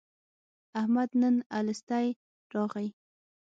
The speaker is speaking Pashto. احمد نن الستی راغی.